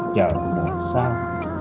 chờ mùa sau